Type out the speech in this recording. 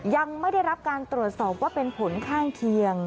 ยังไม่ได้รับการตรวจสอบว่าเป็นผลข้างเคียง